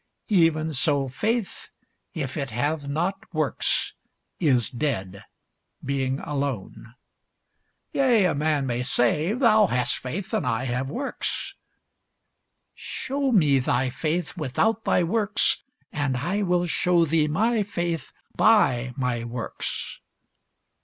Even so faith, if it hath not works, is dead, being alone. Yea, a man may say, Thou hast faith, and I have works: shew me thy faith without thy works, and I will shew thee my faith by my works.